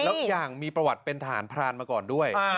แล้วอย่างมีประวัติเป็นทหารพรานมาก่อนด้วย